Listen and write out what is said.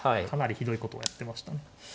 かなりひどいことをやってましたね。